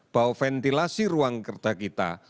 bahwa ventilasi ruang kerja kita